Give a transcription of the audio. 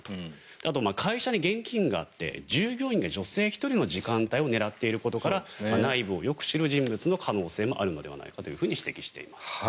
あと会社に現金があって従業員が女性１人の時間帯を狙っていることから内部をよく知る人物の可能性もあるのではないかと指摘しています。